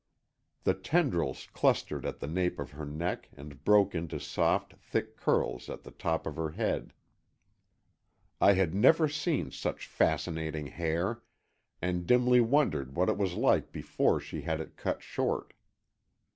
The tendrils clustered at the nape of her neck and broke into soft, thick curls at the top of her head. I had never seen such fascinating hair, and dimly wondered what it was like before she had it cut short.